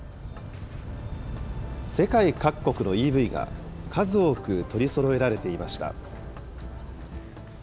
世界各国のＥＶが、数多く取りそろえられていました。